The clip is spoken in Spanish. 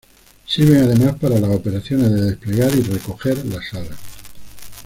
Sirven además para las operaciones de desplegar y recoger las alas.